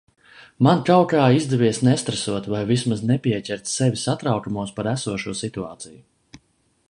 Man kaut kā izdevies nestresot vai vismaz nepieķert sevi satraukumos par esošo situāciju.